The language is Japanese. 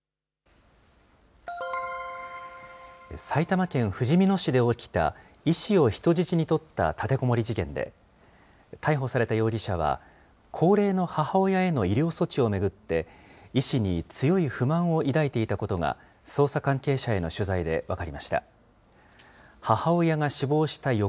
埼玉県ふじみ野市で起きた医師を人質に取った立てこもり事件で、逮捕された容疑者は、高齢の母親への医療措置を巡って、医師に強い不満を抱いていたことが、捜査関係者への取材で分かりました。